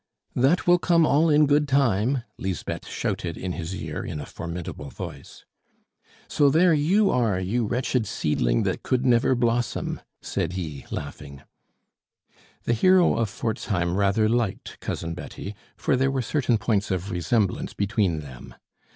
"That will come all in good time," Lisbeth shouted in his ear in a formidable voice. "So there you are, you wretched seedling that could never blossom," said he, laughing. The hero of Forzheim rather liked Cousin Betty, for there were certain points of resemblance between them.